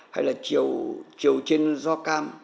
hay là chiều trên do cam